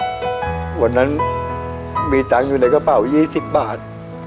แต่วันนั้นมีเงินอยู่ในกระเป๋า๒๐บาท